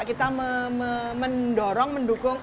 kita mendorong mendukung